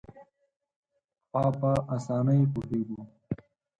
پخوا په اسانۍ پوهېږو.